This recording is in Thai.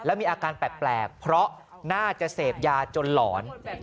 แล้วมีอาการแปลกเพราะน่าจะเสพยาจนหลอน